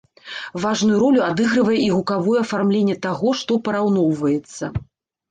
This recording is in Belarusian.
Важную ролю адыгрывае і гукавое афармленне таго, што параўноўваецца.